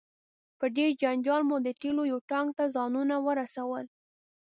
په ډیر جنجال مو د تیلو یو ټانک ته ځانونه ورسول.